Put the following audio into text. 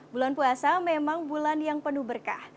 bulan puasa memang bulan yang penuh berkah